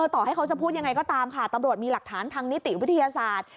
ต่อให้เขาจะพูดยังไงก็ตามค่ะตำรวจมีหลักฐานทางนิติวิทยาศาสตร์